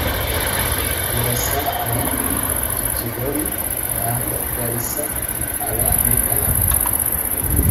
Burasa aba i Kigali na ho Gallican aba muri Canada